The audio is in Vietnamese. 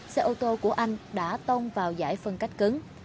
xe ô tô của anh đã tông vào giải phân cách cứng